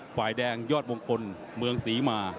ฝ่ายแดงยอดมงคลเมืองศรีมา